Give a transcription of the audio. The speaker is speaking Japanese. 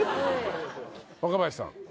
若林さん。